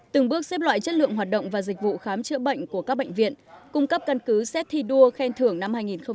từng bước xếp loại chất lượng hoạt động và dịch vụ khám chữa bệnh của các bệnh viện cung cấp căn cứ xét thi đua khen thưởng năm hai nghìn một mươi chín